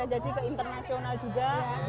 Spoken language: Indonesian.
mungkin bisa jadi ke internasional juga